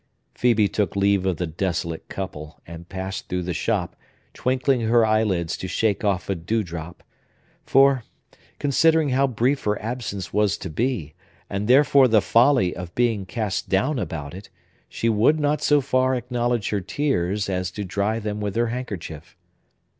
Phœbe took leave of the desolate couple, and passed through the shop, twinkling her eyelids to shake off a dew drop; for—considering how brief her absence was to be, and therefore the folly of being cast down about it—she would not so far acknowledge her tears as to dry them with her handkerchief.